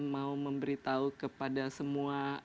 mau memberitahu kepada semua